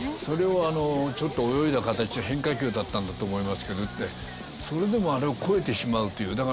それをちょっと泳いだ形の変化球だったんだと思いますけど打ってそれでもあれを越えてしまうという。